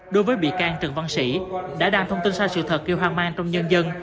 đối với vị can trần văn sĩ đã đam thông tin xa sự thật kêu hoang mang trong nhân dân